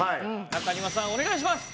中庭さんお願いします。